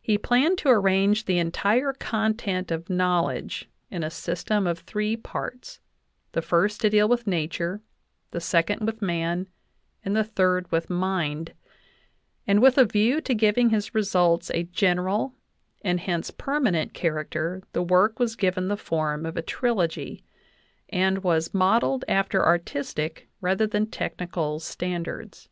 He planned to arrange the entire content of knowledge in a system of three parts, the first to deal with Nature, the second with Man, and the third with Mind; and with a view to giving his results a "general, and hence permanent, character, the work was given the form of a trilogy," and was "modeled after artistic rather than technical standards."